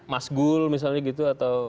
mas gul misalnya gitu atau